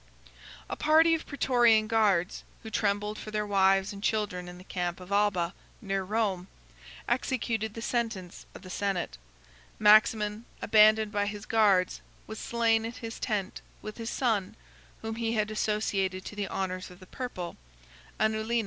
A party of Prætorian guards, who trembled for their wives and children in the camp of Alba, near Rome, executed the sentence of the senate. Maximin, abandoned by his guards, was slain in his tent, with his son (whom he had associated to the honors of the purple), Anulinus the præfect, and the principal ministers of his tyranny.